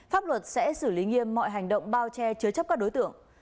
pháp luật sẽ xử lý nghiêm mọi hành động bao che chứa chấp các đối tượng